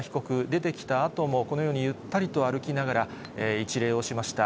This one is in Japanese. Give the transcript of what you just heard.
出てきたあともこのようにゆったりと歩きながら、一礼をしました。